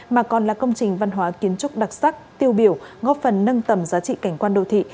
mà còn là công trình văn hóa kiến trúc đặc sắc tiêu biểu góp phần nâng tầm giá trị cảnh quan đô thị